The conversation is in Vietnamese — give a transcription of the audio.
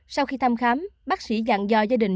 sau khi thăm khám bác sĩ dặn dò gia đình